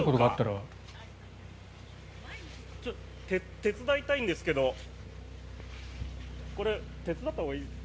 手伝いたいんですけどこれ手伝ったほうがいいですか？